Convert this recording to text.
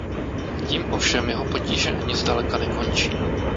Tím ovšem jeho potíže ani zdaleka nekončí.